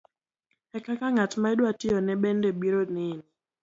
e kaka ng'at ma idwa tiyone bende biro neni.